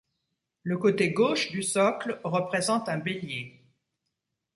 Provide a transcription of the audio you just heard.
Le côté gauche du socle représente un bélier.